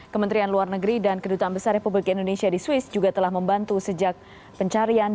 kementerian luar negeri dan kedutaan besar republik indonesia di swiss juga telah membantu sejak pencarian